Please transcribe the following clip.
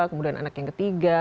kemudian anak yang ketiga